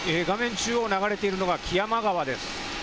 中央を流れているのが木山川です。